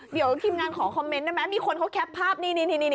เดี๋ยวทีมงานขอคอมเมนต์ได้ไหมมีคนเขาแคปภาพนี่